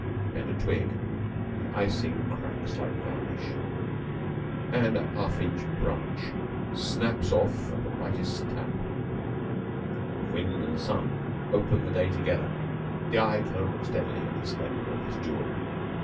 If you bend a twig, the icing cracks like varnish, and a half inch branch snaps off at the lightest tap. If wind and sun open the day together, the eye cannot look steadily at the splendour of this jewelry.